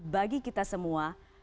bagi kita semua